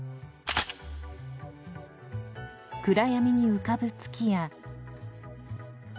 暗闇に浮かぶ月や。